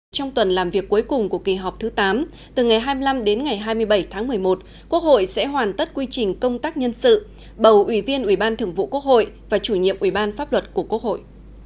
trong tuần làm việc cuối cùng của kỳ họp thứ tám từ ngày hai mươi năm đến ngày hai mươi bảy tháng một mươi một quốc hội sẽ hoàn tất quy trình công tác nhân sự bầu ủy viên ủy ban thường vụ quốc hội và chủ nhiệm ủy ban pháp luật của quốc hội